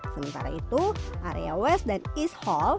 sementara itu area west dan east hall